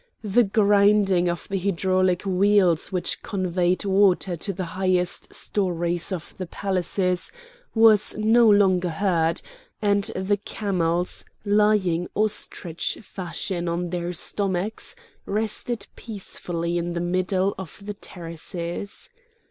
The grinding of the hydraulic wheels which conveyed water to the highest storys of the palaces, was no longer heard; and the camels, lying ostrich fashion on their stomachs, rested peacefully in the middle of the terraces.